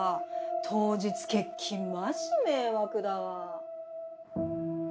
当日欠勤マジ迷惑だわ。